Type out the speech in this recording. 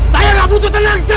saya nggak butuh tenang jawab